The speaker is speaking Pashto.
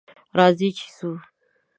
راځئ چې ځو!